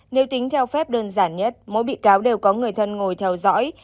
nếu tính theo phép đơn giản nhất mỗi bị cáo đều có người thân ngồi theo dõi